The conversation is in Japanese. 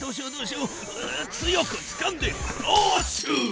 強くつかんでクラッシュ！